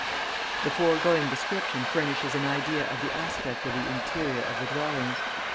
The foregoing description furnishes an idea of the aspect of the interior of the dwellings.